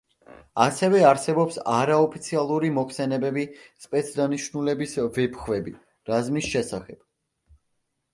ასევე არსებობს არაოფიციალური მოხსენებები სპეცდანიშნულების „ვეფხვები“ რაზმის შესახებ.